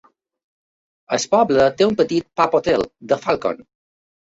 El poble té un petit pub-hotel, The Falcon.